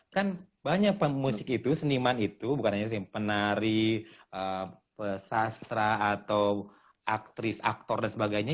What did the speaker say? kan banyak pemusik itu seniman itu bukan hanya penari sastra atau aktris aktor dan sebagainya